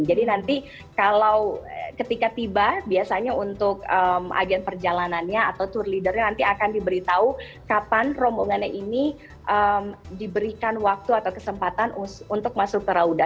jadi nanti kalau ketika tiba biasanya untuk agen perjalanannya atau tour leader nanti akan diberitahu kapan rombongannya ini diberikan waktu atau kesempatan untuk masuk ke raudah